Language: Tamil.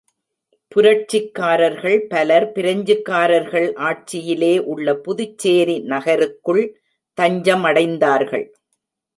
புரட்சிக்காரர்கள் பலர் பிரெஞ்சுகாரர்கள் ஆட்சியிலே உள்ள புதுச்சேரி நகருக்குள் தஞ்சமடைந்தார்கள்.